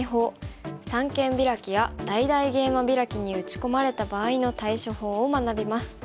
三間ビラキや大々ゲイマビラキに打ち込まれた場合の対処法を学びます。